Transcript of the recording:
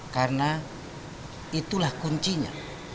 karena itulah kuncinya